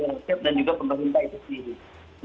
dan juga pemerintah itu sendiri